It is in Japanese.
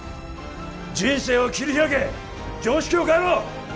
人生を切り開け常識を変えろ！